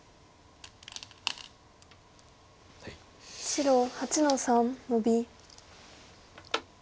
白８の三ノビ。